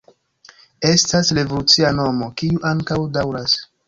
Estas revolucia nomo, kiu ankaŭ daŭras.